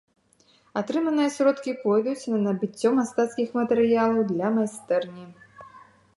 Атрыманыя сродкі пойдуць на набыццё мастацкіх матэрыялаў для майстэрні.